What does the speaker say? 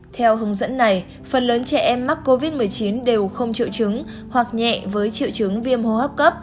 theo hướng dẫn này phần lớn trẻ em mắc covid một mươi chín đều không triệu chứng hoặc nhẹ với triệu chứng viêm hô hấp cấp